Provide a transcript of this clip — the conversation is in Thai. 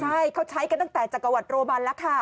ใช่เขาใช้กันตั้งแต่จักรวรรดโรมันแล้วค่ะ